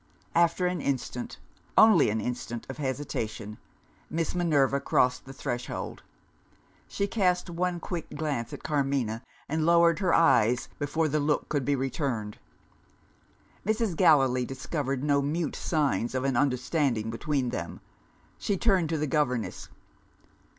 After an instant only an instant of hesitation, Miss Minerva crossed the threshold. She cast one quick glance at Carmina, and lowered her eyes before the look could be returned. Mrs. Gallilee discovered no mute signs of an understanding between them. She turned to the governess.